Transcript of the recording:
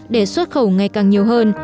để xuất khẩu ngày càng nhiều hơn